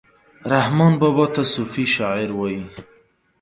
رحمان بابا ته صوفي شاعر وايي